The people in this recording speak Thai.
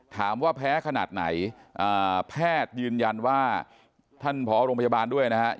ถามว่าแพ้ขนาดไหนแพทย์ยืนยันว่าท่านพอโรงพยาบาลด้วยนะครับ